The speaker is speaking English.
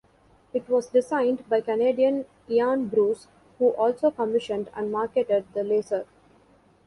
It was designed by Canadian Ian Bruce, who also commissioned and marketed the Laser.